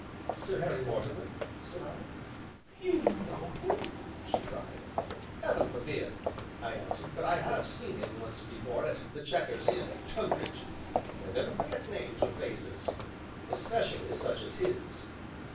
"Sir Harry Mortimer?" said I. "You know him?" she cried. "Heaven forbid!" I answered, "but I have seen him once before at 'The Chequers' inn at Tonbridge, and I never forget names or faces especially such as his."